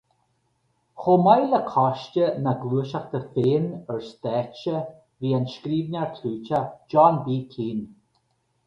Chomh maith le coiste an na Gluaiseachta féin ar stáitse, bhí an scríbhneoir clúiteach John B. Keane.